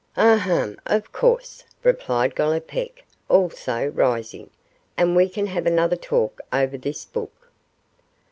'Ah, hum! of course,' replied Gollipeck, also rising, 'and we can have another talk over this book.